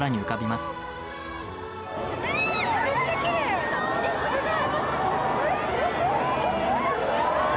すごい！